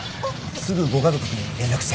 すぐご家族に連絡して。